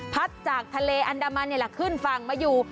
พัดจากทะเลอันดามันขึ้นฟังมาอยู่